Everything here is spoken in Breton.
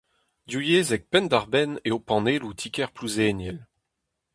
Divyezhek penn-da-benn eo panelloù Ti-kêr Plouzeniel.